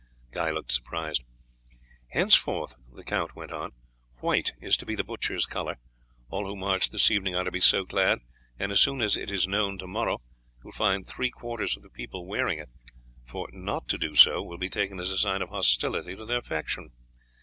Guy looked surprised. "Henceforth," the count went on, "white is to be the butchers' colour. All who march this evening are to be so clad, and as soon as it is known to morrow, you will find three fourths of the people wearing it, for not to do so will be taken as a sign of hostility to their faction.